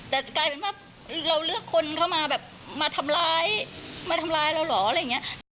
แต่กลายเป็นว่าเราเลือกคนเข้ามามาทำร้ายเราเหรออะไรอย่างนี้